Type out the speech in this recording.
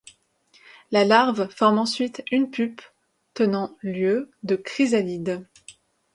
La larve forme ensuite une pupe tenant lieu de chrysalide.